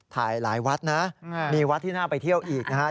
หลายวัดนะมีวัดที่น่าไปเที่ยวอีกนะฮะ